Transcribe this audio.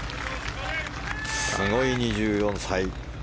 すごい２４歳。